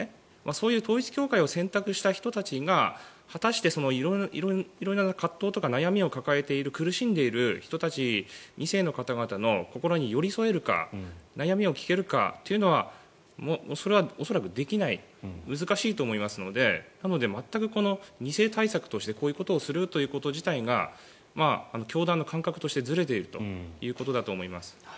そういう統一教会を選択した人たちが果たして色々な葛藤とか悩みを抱えている苦しんでいる人たち２世の方々の心に寄り添えるか悩みを聞けるかというのは恐らくできない難しいと思いますのでなので、全く２世対策としてこういうことをするということ自体が教団の感覚としてずれているということだと思います。